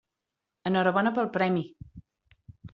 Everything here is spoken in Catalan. Enhorabona pel premi.